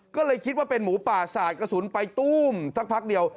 ก็เลยคิดว่าเป็นหมูป่าสาดกระสุนไปตู้มสักพักเดียว